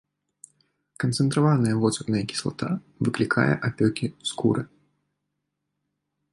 Канцэнтраваная воцатная кіслата выклікае апёкі скуры.